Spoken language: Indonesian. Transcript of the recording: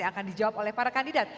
yang akan dijawab oleh para kandidat